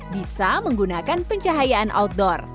bisa menggunakan pencahayaan outdoor